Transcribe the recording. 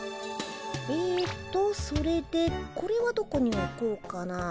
えっとそれでこれはどこにおこうかな。